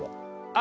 あ